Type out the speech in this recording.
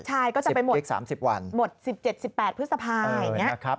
ใช่ก็จะไปหมดหมด๑๗๑๘พฤษภาย